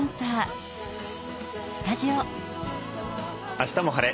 「あしたも晴れ！